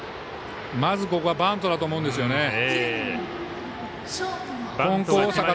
まずここはバントだと思うんですね。